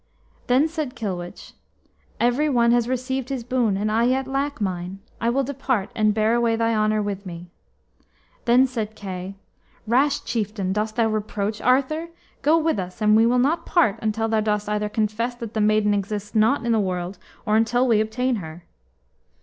Then said Kilwich, "Every one has received his boon, and I yet lack mine. I will depart, and bear away thy honor with me." Then said Kay, "Rash chieftain! dost thou reproach Arthur? Go with us, and we will not part until thou dost either confess that the maiden exists not in the world, or until we obtain her."